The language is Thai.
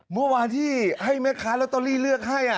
เมื่อวานที่ให้แม่ค้าลอตเตอรี่เลือกให้